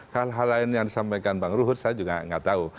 hal hal lain yang disampaikan bang ruhut saya juga nggak tahu